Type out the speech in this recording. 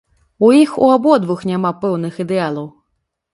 У іх у абодвух няма пэўных ідэалаў.